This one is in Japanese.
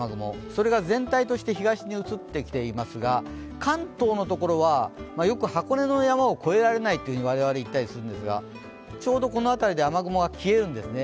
それが全体として東に移ってきていますが関東の所はよく箱根の山を越えられないと我々言ったりするんですが、ちょうどこの辺りで雨雲が消えるんですね。